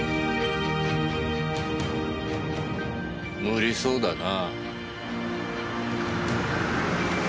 無理そうだな。